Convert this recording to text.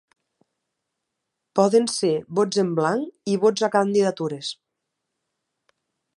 Poden ser vots en blanc i vots a candidatures.